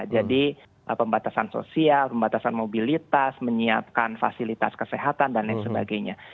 jadi pembatasan sosial pembatasan mobilitas menyiapkan fasilitas kesehatan dan sebagainya